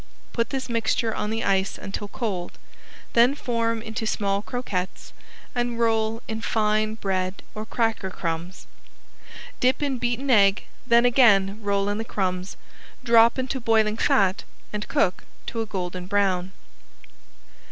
Put this mixture on the ice until cold, then form into small croquettes and roll in fine bread or cracker crumbs. Dip in beaten egg, then again roll in the crumbs, drop into boiling fat and cook to a golden brown.